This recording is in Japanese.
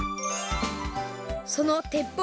そのてっぽう